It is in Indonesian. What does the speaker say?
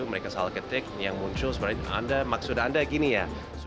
spell ketik yang muncul maksud anda gini ya